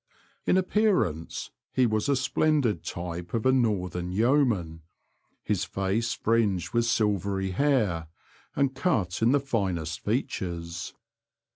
In appearance he was a splendid type of a northern yeoman, his face fringed with silvery hair, and cut in the finest features.